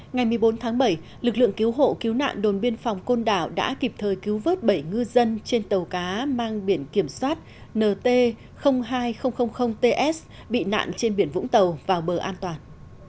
ngày một mươi bốn tháng bảy lực lượng cứu hộ cứu nạn đồn biên phòng côn đảo đã kịp thời cứu vớt bảy ngư dân trên tàu cá mang biển kiểm soát nt hai ts bị nạn trên biển vũng tàu vào bờ an toàn